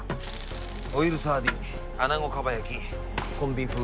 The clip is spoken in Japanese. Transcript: オイルサーディンあなごかば焼きコンビーフ